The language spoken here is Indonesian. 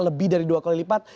lebih dari dua kali lipat